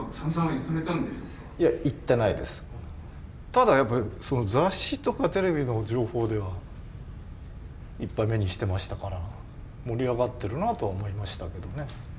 ただやっぱり雑誌とかテレビの情報ではいっぱい目にしてましたから盛り上がっているなとは思いましたけどね。